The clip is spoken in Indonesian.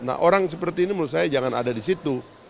nah orang seperti ini menurut saya jangan ada di situ